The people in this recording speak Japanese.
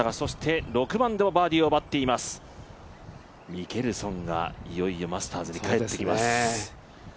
ミケルソンがいよいよマスターズに帰ってきます。